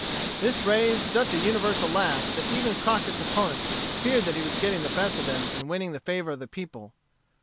This raised such a universal laugh that even Crockett's opponents feared that he was getting the best of them in winning the favor of the people.